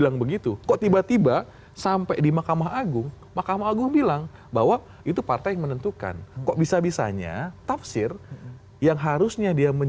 yang perlu diperiksa itu yang kemudian